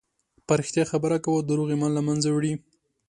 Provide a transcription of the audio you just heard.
په رښتیا خبرې کوه، دروغ ایمان له منځه وړي.